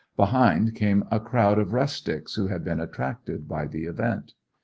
Behind came a crowd of rustics who had been attracted by the event.